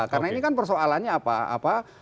karena ini kan persoalannya apa